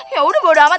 ya udah bodoh amat